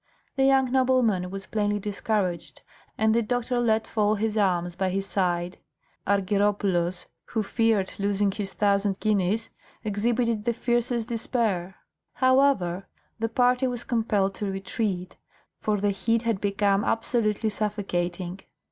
The young nobleman was plainly discouraged, and the doctor let fall his arms by his side. Argyropoulos, who feared losing his thousand guineas, exhibited the fiercest despair. However, the party was compelled to retreat, for the heat had become absolutely suffocating.